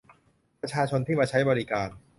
ประชาชนที่มาใช้บริการ